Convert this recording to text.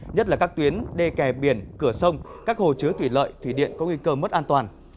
nhất là các tuyến đê kè biển cửa sông các hồ chứa thủy lợi thủy điện có nguy cơ mất an toàn